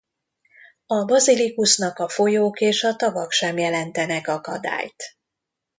A baziliszkusznak a folyók és a tavak sem jelentenek akadályt.